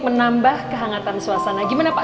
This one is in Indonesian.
menambah kehangatan suasana gimana pak